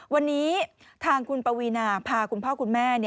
วันนี้ทางคุณปวีนาพาคุณพ่อคุณแม่